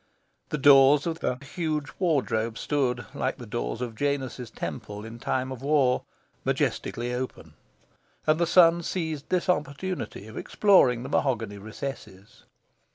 The doors of the huge wardrobe stood, like the doors of Janus' temple in time of war, majestically open; and the sun seized this opportunity of exploring the mahogany recesses.